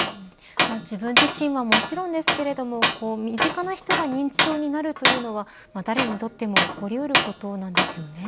自分自身はもちろんですけれども身近な人が認知症になるというのは誰にとっても起こりうることなんですよね。